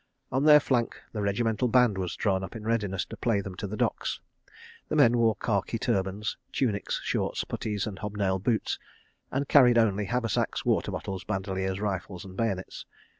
On their flank the regimental band was drawn up in readiness to play them to the docks. The men wore khaki turbans, tunics, shorts, puttees and hob nailed boots, and carried only haversacks, water bottles, bandoliers, rifles and bayonets.